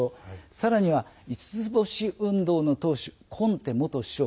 さらには五つ星運動の党首コンテ元首相。